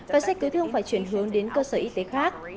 và xe cứu thương phải chuyển hướng đến cơ sở y tế khác